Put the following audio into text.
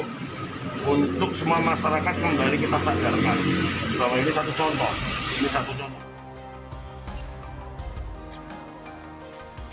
untuk semua masyarakat yang dari kita sadarkan bahwa ini satu contoh